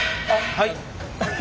はい！